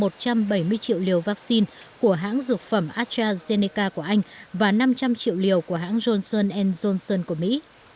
triệu liều vaccine của hãng dược phẩm astrazeneca của anh và năm trăm linh triệu liều của hãng johnson johnson của mỹ